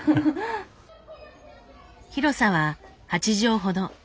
広さは８畳ほど。